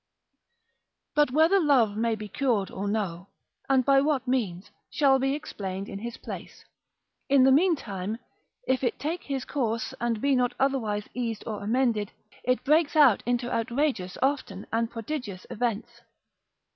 But whether love may be cured or no, and by what means, shall be explained in his place; in the meantime, if it take his course, and be not otherwise eased or amended, it breaks out into outrageous often and prodigious events.